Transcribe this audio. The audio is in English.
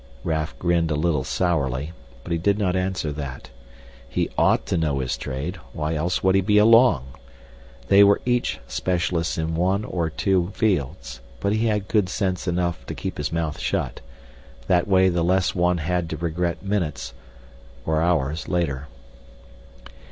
Raf grinned a little sourly, but he did not answer that. He ought to know his trade. Why else would he be along? They were each specialists in one or two fields. But he had good sense enough to keep his mouth shut. That way the less one had to regret minutes or hours later.